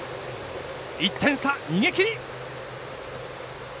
１点差、逃げ切り！